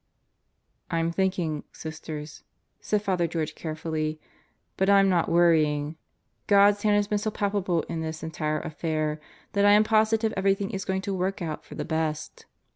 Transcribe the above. "I'm thinking, Sisters," said Father George carefully, "but I'm not worrying. God's hand has been so palpable in this entire affair that I am positive everything is going to work out for the best.